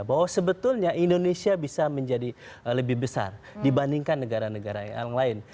bahwa sebetulnya indonesia bisa menjadi lebih besar dibandingkan negara negara yang lain